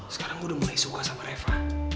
sekarang udah mulai suka sama reva